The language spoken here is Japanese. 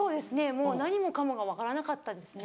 もう何もかもが分からなかったですね。